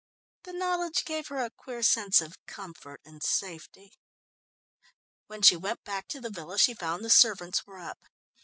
The knowledge gave her a queer sense of comfort and safety. When she went back to the villa she found the servants were up.